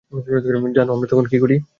জানো আমরা তখন কী করি?